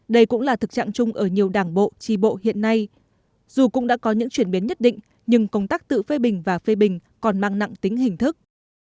đây cũng là thực trạng chung ở nhiều đảng bộ tri bộ hiện nay dù cũng đã có những chuyển biến nhất định nhưng công tác tự phê bình và phê bình còn mang nặng tính hình thức